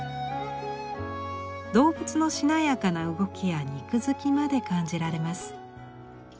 動物のしなやかな動きや肉づきまで感じられます。